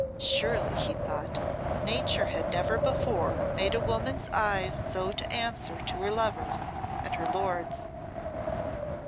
Surely, he thought, Nature had never before made a woman's eyes so to answer to her lover's and her lord's.